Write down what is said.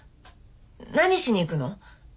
何しに行くの？